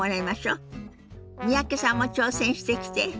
三宅さんも挑戦してきて。